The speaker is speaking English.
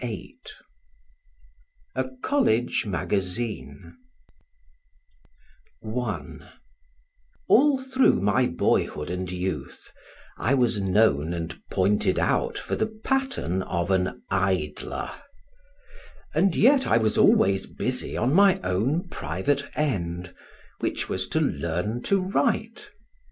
] VII A COLLEGE MAGAZINE I All through my boyhood and youth, I was known and pointed out for the pattern of an idler; and yet I was always busy on my own private end, which was to learn to write.